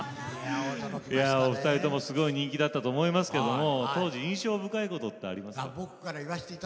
お二人ともすごい人気だったと思いますけど当時印象深いことってありますか？